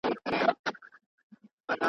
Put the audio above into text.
نن به ښه کیسه توده وي د پردي قاتل په کور کي !.